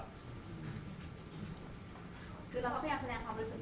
คือเราก็พยายามแสดงความรู้สึก